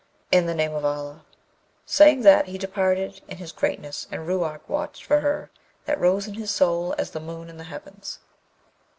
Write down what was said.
In the name of Allah!' Saying that he departed in his greatness, and Ruark watched for her that rose in his soul as the moon in the heavens.